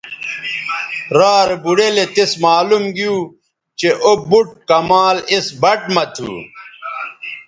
را رے بوڑیلے تس معلوم گیو چہء او بُٹ کمال اِس بَٹ مہ تھو